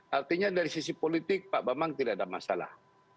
artinya dari sisi politik pak bambang tidak ada masalah